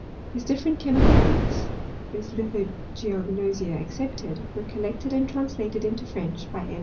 His different chemical works (his Lithogeognosia ex cepted) were collected and translated into French by M.